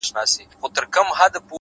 زما او ستا تر منځ صرف فرق دادى’